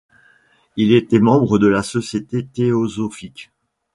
Il était membre de la Société théosophique.